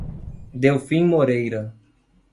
Delfim Moreira